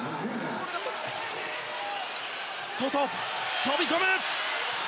外、飛び込む。